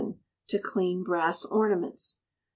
To clean Brass Ornaments.